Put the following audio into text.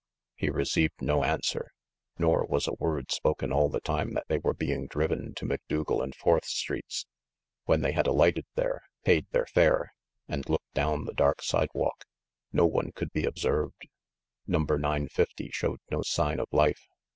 He received no answer ; nor was a word spoken all the time that they were being driven to Macdougal and Fourth Streets. When they had alighted there, paid their fare, and looked down the dark sidewalk, no one could be observed. Number 950 showed no sign of life.